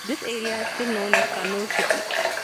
This area is still known as Kannur City.